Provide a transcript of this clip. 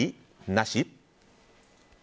なし？